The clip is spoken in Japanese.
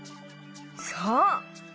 そう！